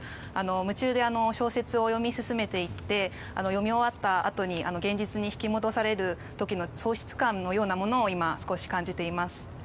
夢中で小説を読み進めていって読み終わったあとに現実に引き戻される喪失感のようなものを少し感じています。